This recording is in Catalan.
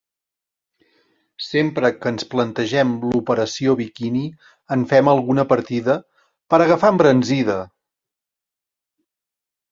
Sempre que ens plantegem l'operació biquini en fem alguna partida, per agafar embranzida!